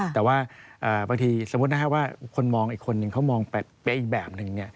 แต่ว่าบางทีสมมุติถ้าคนมองอีกคนนึงเขามองแบบอีกแบบนึง